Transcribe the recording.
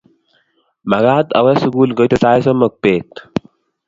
magaat awe sugul ngoite sait somok beet